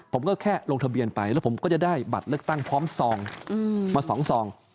ผมก็แค่ลงทะเบียนไปแล้วผมก็จะได้บัตรเลือกตั้งพร้อมซองมา๒ซอง